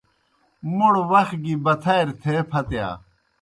موْڑ وخ گیْ بتھاریْ تھے پھتِیا۔